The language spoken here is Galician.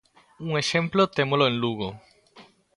Un exemplo témolo en Lugo.